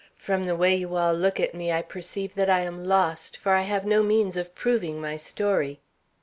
From the way you all look at me I perceive that I am lost, for I have no means of proving my story."